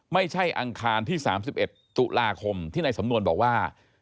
อังคารที่๓๑ตุลาคมที่ในสำนวนบอกว่า